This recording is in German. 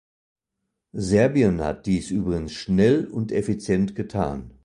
Serbien hat dies übrigens schnell und effizient getan.